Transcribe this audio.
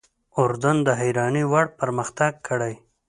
اردن د حیرانۍ وړ پرمختګ کړی.